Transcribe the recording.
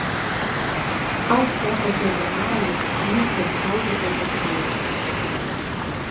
Ашә ҟьаҟьаӡа ианааирт, ииҳәаз ажәа заҵәык ауп.